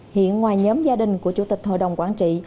hiện ngoài nhóm gia đình của chủ tịch hội đồng quản trị